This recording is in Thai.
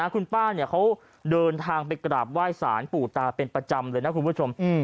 คุณป้าเขาเดินทางไปกราบไหว้สารปู่ตาเป็นประจำเลยนะคุณผู้ชม